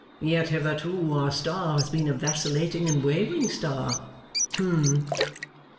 Yet hitherto our star has been a vacillating and wavering star? Humph?